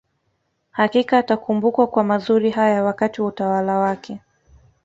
Hakika atakumbukwa kwa mazuri haya wakati wa utawala wake